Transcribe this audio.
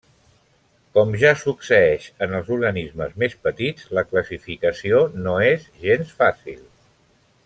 Com ja succeeix en els organismes més petits la classificació no és gens fàcil.